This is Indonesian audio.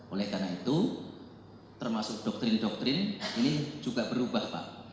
oleh karena itu termasuk doktrin doktrin ini juga berubah pak